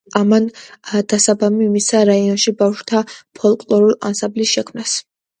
ამან დასაბამი მისცა რაიონებში ბავშვთა ფოლკლორული ანსამბლების შექმნას.